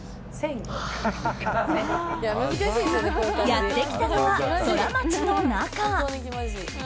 やってきたのはソラマチの中。